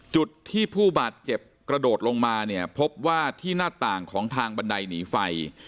จุดที่ผู้บาดเจ็บกระโดดลงมาเนี่ยพบว่าที่หน้าต่างของทางบันไดหนีไฟ